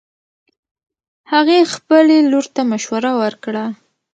هغې خبلې لور ته مشوره ورکړه